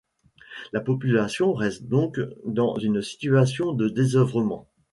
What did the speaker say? La population reste donc dans une situation de désœuvrement.